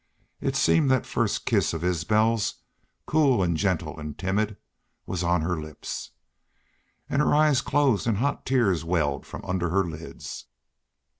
It seemed that first kiss of Isbel's, cool and gentle and timid, was on her lips. And her eyes closed and hot tears welled from under her lids.